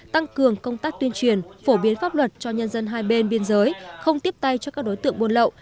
tăng cường công tác tuyên truyền phổ biến pháp luật cho nhân dân hai bên biên giới không tiếp tay cho các đối tượng buôn lậu